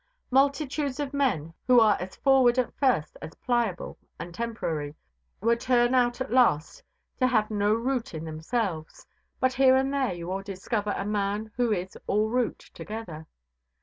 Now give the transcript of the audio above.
Multitudes of men who are as forward at first as Pliable and Temporary were turn out at last to have no root in themselves; but here and there you will discover a man who is all root together.